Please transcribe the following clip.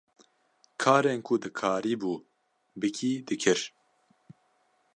Karên ku dikarîbû bikî, dikir.